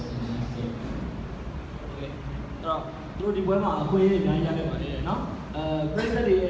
รู้สึกที่บ๊วยมากคุยอย่างนั้นอย่างเดียวกันเนี่ยเนอะ